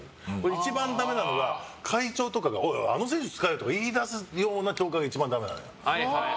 一番ダメなのが、会長とかがあの選手使えとか言い出すような協会が一番ダメなのよ。